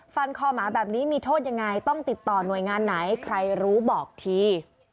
ฟันคอหมาแบบนี้มีโทษยังไงต้องติดต่อหน่วยงานไหนใครรู้บอกที